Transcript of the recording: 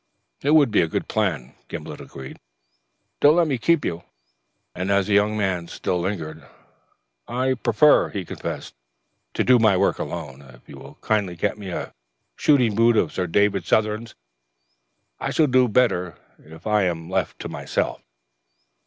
"It would be a good plan," Gimblet agreed. "Don't let me keep you," And as the young man still lingered, "I prefer," he confessed, "to do my work alone. If you will kindly get me a shooting boot of Sir David Southern's, I shall do better if I am left to myself."